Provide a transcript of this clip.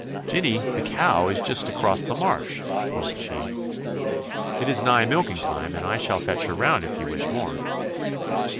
'Jinny, the cow, is just across the marsh,' quoth she. 'It is nigh milking time, and I shall fetch her round if ye wish more.